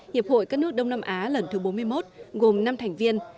hiệp hội các nước đông nam á lần thứ bốn mươi một gồm năm thành viên